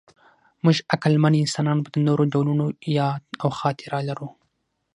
موږ عقلمن انسانان به د نورو ډولونو یاد او خاطره لرو.